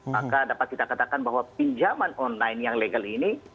maka dapat kita katakan bahwa pinjaman online yang legal ini